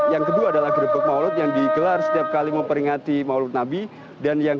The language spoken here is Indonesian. yang kedua adalah gerbek maulid yang digelar setiap kali memperingati maulid nabi dan yang